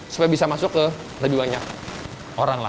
supaya bisa masuk ke lebih banyak orang lah